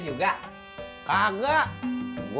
gue ngurus diri sendiri